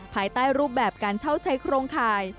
ภายใต้รูปแบบการเช่าใช้โครงข่าย